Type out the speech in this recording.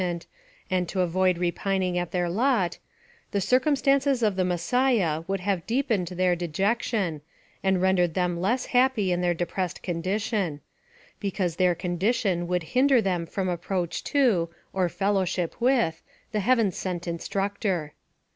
VSS PHILOSOPHY OF THE and to avoid repining at their lot, the circumstances of the Messiah would have deepened their dejection, and rendered them less happy in their depressed coLidition ; because their condition would hinder them from approach to, or fellowship with, the Heav en sent Instructor.